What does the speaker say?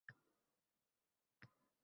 Duolarimda ularni eslamasdan ilojim yoʻq.